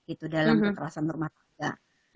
itu dalam kekerasan normatika